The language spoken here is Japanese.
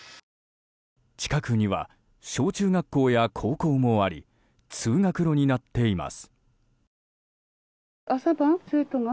近くには小中学校や高校もあり通学路になっています。